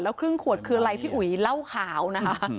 ครึ่งขวดคืออะไรพี่อุ๋ยเหล้าขาวนะคะ